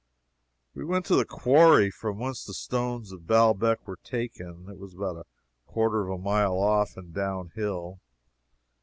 We went to the quarry from whence the stones of Baalbec were taken. It was about a quarter of a mile off, and down hill.